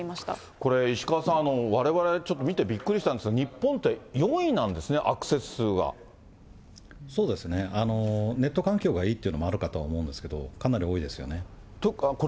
これ石川さん、われわれちょっと、見てびっくりしたんですけれども、日本って、４位なんですそうですね、ネット環境がいいっていうのもあるかと思うんですけれども、かなり多いですよね。